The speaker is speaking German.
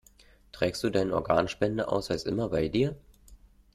Trägst du deinen Organspendeausweis immer bei dir?